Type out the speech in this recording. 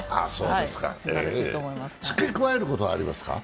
付け加えることはありますか？